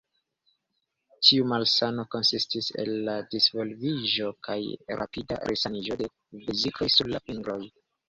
Tiu malsano konsistis el la disvolviĝo kaj rapida resaniĝo de vezikoj sur la fingroj.